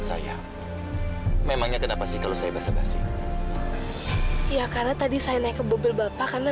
saya memangnya kenapa sih kalau saya basah basi ya karena tadi saya naik ke mobil bapak karena